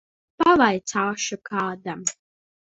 Pavaicāšu kādam.